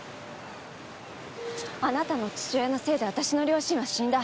あなたの父親のせいで私の両親は死んだ。